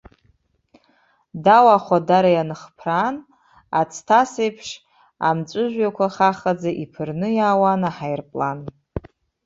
Дау ахәадара инахыԥраан, аӡҭас еиԥш, амҵәыжәҩақәа хахаӡа иԥырны иаауан аҳаирплан.